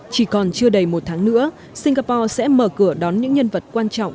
chỉ còn chưa đầy một tháng nữa singapore sẽ mở cửa đón những nhân vật quan trọng